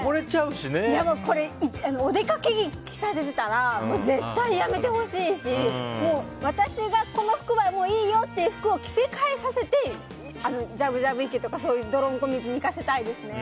これ、お出かけ着を着させてたら絶対、やめてほしいし私がこの服はいいよっていう服を着せ替えさせてじゃぶじゃぶ池とか泥んこ水に行かせたいですね。